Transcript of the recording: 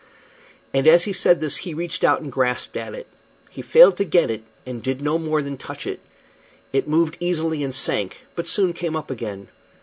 And as he said this he reached out and grasped at it. He failed to get it, and did no more than touch it. It moved easily and sank, but soon came up again.